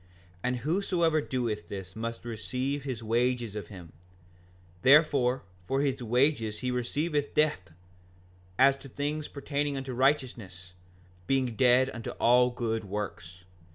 5:42 And whosoever doeth this must receive his wages of him; therefore, for his wages he receiveth death, as to things pertaining unto righteousness, being dead unto all good works.